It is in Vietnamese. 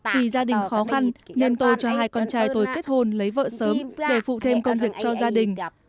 vì gia đình khó khăn nên tôi cho hai con trai tôi kết hôn lấy vợ sớm để phụ thêm công việc cho gia đình